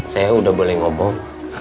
saya udah boleh ngomong